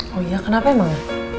kyknya kenapa emang